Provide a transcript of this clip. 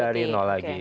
dari lagi